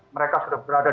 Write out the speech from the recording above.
mereka sudah berada